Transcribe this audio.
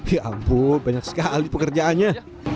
ya ampun banyak sekali pekerjaannya